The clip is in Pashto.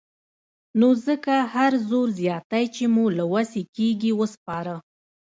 نو ځکه هر زور زياتی چې مو له وسې کېږي وسپاره.